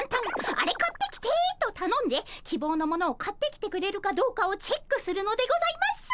「アレ買ってきて」とたのんできぼうのものを買ってきてくれるかどうかをチェックするのでございます。